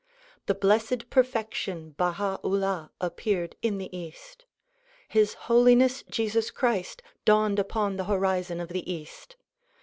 The Blessed Perfection Baiia 'Ullah appeared in the east. His Holiness Jesus Christ dawned upon the horizon of the east.